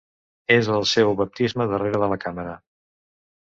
És el seu baptisme darrere de la càmera.